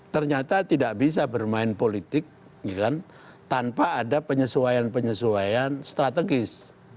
ternyata tidak bisa bermain politik tanpa ada penyesuaian penyesuaian strategis